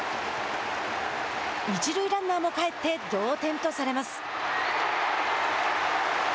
一塁ランナーも帰って同点とされます。